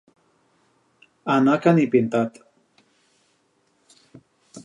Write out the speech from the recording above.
Anar que ni pintat.